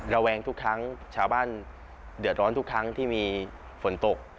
ระแวงทุกครั้งชาวบ้านเดือดร้อนทุกครั้งที่มีฝนตก